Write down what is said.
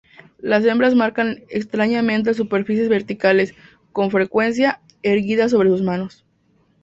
Las hembras marcan extrañamente superficies verticales, con frecuencia, erguidas sobre sus manos.